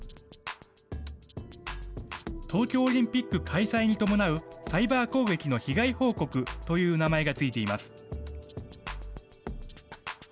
東京オリンピック開催に伴うサイバー攻撃の被害報告という名前が付いています。